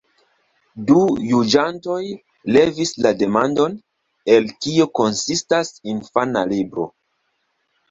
Du juĝantoj levis la demandon, el kio konsistas infana libro?